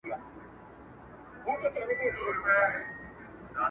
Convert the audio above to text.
د ښادۍ به راته مخ سي د غمونو به مو شا سي٫